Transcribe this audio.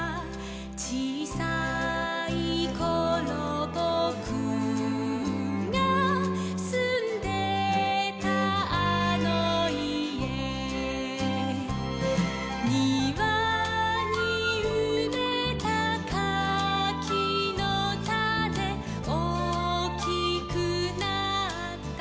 「ちいさいころぼくがすんでたあのいえ」「にわにうめたかきのタネおおきくなったかな」